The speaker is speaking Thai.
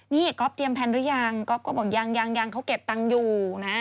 นี่ก๊อฟเตรียมแพลนหรือยังก๊อฟก็บอกยังยังเขาเก็บตังค์อยู่นะ